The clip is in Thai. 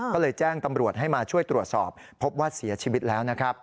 ก็เลยแจ้งตำรวจให้มาช่วยตรวจสอบพบว่าเสียชีวิตแล้วนะครับ